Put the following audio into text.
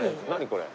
これ。